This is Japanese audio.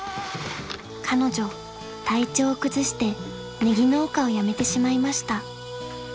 ［彼女体調を崩してネギ農家を辞めてしまいました］